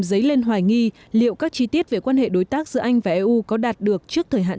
dấy lên hoài nghi liệu các chi tiết về quan hệ đối tác giữa anh và eu có đạt được trước thời hạn